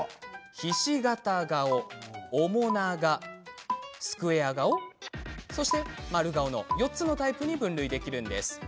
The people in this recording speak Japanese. ひし形顔、面長、スクエア顔丸顔の４つのタイプに分類できるんです。